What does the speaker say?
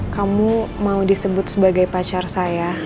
kamu mau disebut sebagai pacar saya